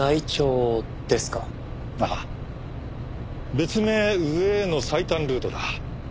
別名「上への最短ルート」だ。